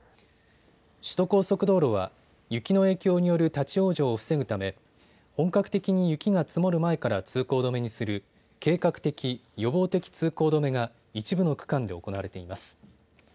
首都高速道路は雪の影響による立往生を防ぐため本格的に雪が積もる前から通行止めにする計画的・予防的通行止めが一部の区間で行われています。